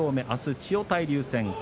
あすは千代大龍戦。